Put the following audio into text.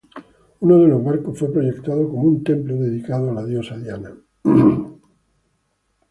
Uno de los barcos fue proyectado como un templo dedicado a la diosa Diana.